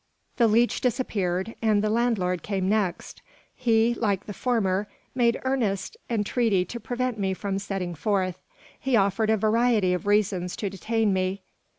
The leech disappeared, and the landlord came next. He, like the former, made earnest entreaty to prevent me from setting forth. He offered a variety of reasons to detain me.